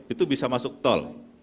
itu bisa masuk tol